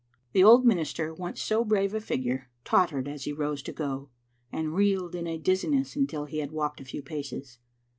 The old minister, once so brave a figure, tottered as he rose to go, and reeled in a dizziness until he had walked a few paces.